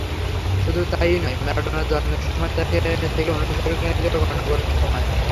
শুধু তা-ই নয়, ম্যারাডোনার জন্মের সময় থেকেই অনুসারীরা গণনা করেন সময়।